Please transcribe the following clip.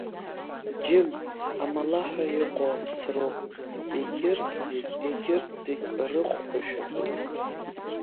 Џьым, амалаҳәа иҟоу аԥсроуп, егьырҭ зегь, егьырҭ зегь рыхәқәа шәатәуп!